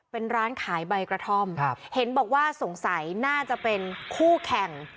เป็นร้านขายใบกระท่อมครับเห็นบอกว่าสงสัยน่าจะเป็นคู่แข่ง